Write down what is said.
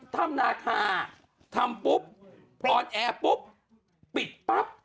ถ้ำนาคาทำปุ๊บออนแอร์ปุ๊บปิดปั๊บ